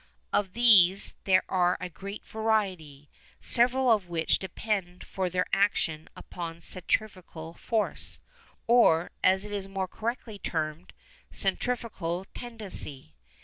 Of these there are a great variety, several of which depend for their action upon centrifugal force, or, as it is more correctly termed, "centrifugal tendency."